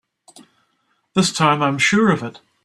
This time I'm sure of it!